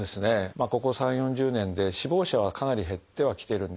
ここ３０４０年で死亡者はかなり減ってはきているんです。